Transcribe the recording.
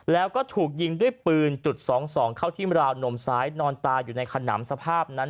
แล้วก็ถูกยิงด้วยปืนจุด๒๒เข้าที่ราวนมซ้ายนอนตายอยู่ในขนำสภาพนั้น